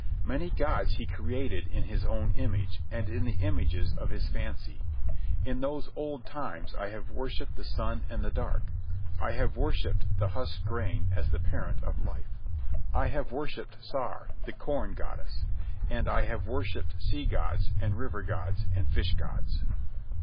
Many gods he created in his own image and in the images of his fancy. In those old times I have worshipped the sun and the dark. I have worshipped the husked grain as the parent of life. I have worshipped Sar, the Corn Goddess. And I have worshipped sea gods, and river gods, and fish gods.